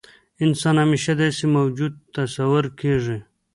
انسان همیشه داسې موجود تصور کېږي.